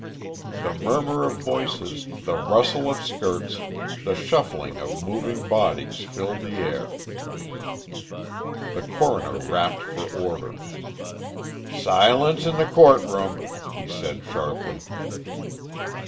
The murmur of voices, the rustle of skirts, the shuffling of moving bodies filled the air. The coroner rapped for order. "Silence in the court room," he said sharply.